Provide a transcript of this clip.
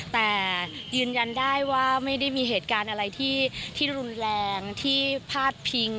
แต่ยืนยันได้ว่าไม่ได้มีเหตุการณ์อะไรที่รุนแรงที่พาดพิง